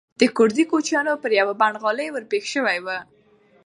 د کوردي کوچیانو پر یوه پنډغالي ورپېښ شوی و.